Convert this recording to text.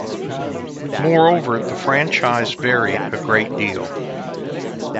Moreover, the franchise varied a great deal.